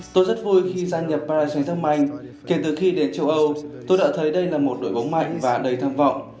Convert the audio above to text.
tôi rất vui khi gia nhập paris saint germain kể từ khi đến châu âu tôi đã thấy đây là một đội bóng mạnh và đầy tham vọng